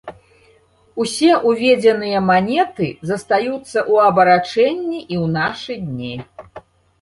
Усе ўведзеныя манеты застаюцца ў абарачэнні і ў нашы дні.